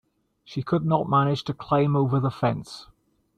She could not manage to climb over the fence.